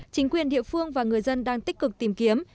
chính quyền địa phương và người dân đang tích cực tìm kiếm